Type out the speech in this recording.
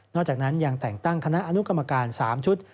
จากนั้นยังแต่งตั้งคณะอนุกรรมการ๓ชุด